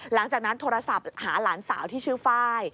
หลังจากนั้นโทรศัพท์หาหลานสาวที่ชื่อไฟล์